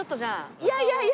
いやいやいや！